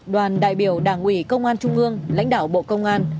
đoàn đại biểu đảng ủy công an trung ương lãnh đạo bộ công an